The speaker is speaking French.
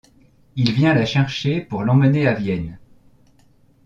Il vient la chercher pour l’emmener à Vienne.